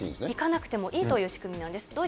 行かなくてもいいという仕組みなんです。